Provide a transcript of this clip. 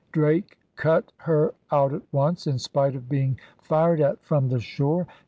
Drake cut her out at once, in spite of being fired at from the shore.